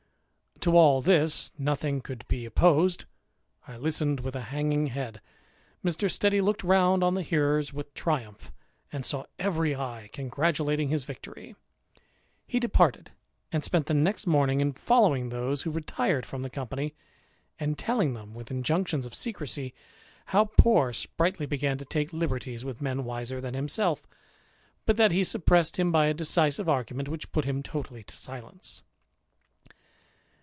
To all this nothing could be opposed, I listened with 2 hanging head, Mr. Steady looked round on the hearers with triumph, and saw every eye congratulating his victory. He departed, and spent the next morning in following those who retired from the company, and telling them, vrith injunctions of secrecy, how poor Spritely began to take liberties with men wiser than himself; but that he sup pressed him by a decisive argument, which put him totally to silence.